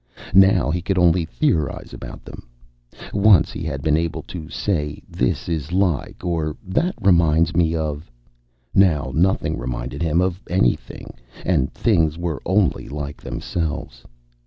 Now he could only theorize about them. Once he had been able to say, this is like, or, that reminds me of. Now nothing reminded him of anything, and things were only like themselves.